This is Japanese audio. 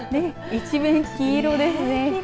一面、黄色ですね。